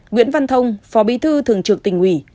nguyễn văn thông phó bí thư thường trực tỉnh ủy